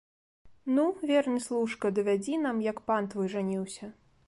Ну, верны служка, давядзі нам, як пан твой жаніўся!